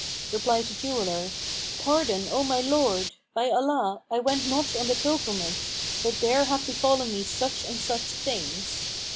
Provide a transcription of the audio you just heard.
Replied the jeweller, "Pardon, O my lord! By Allah, I went not on the pilgrimage! but there have befallen me such and such things."